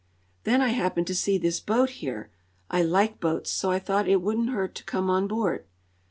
"Then I happened to see this boat here. I like boats, so I thought it wouldn't hurt to come on board."